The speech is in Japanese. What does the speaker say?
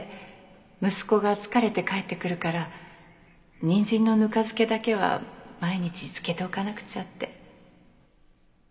息子が疲れて帰ってくるからにんじんのぬか漬けだけは毎日漬けておかなくちゃって。